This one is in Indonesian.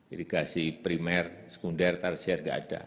irigasi primer sekunder tarsial tidak ada